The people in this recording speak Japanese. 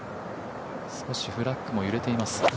少しフラッグも揺れています。